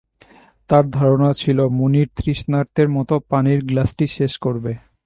তাঁর ধারণা ছিল, মুনির তৃষ্ণার্তের মতো পানির গ্লাসটি শেষ করবে।